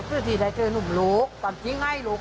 จอกที่นายเจอหนุ่มหลูก๒วัดลูก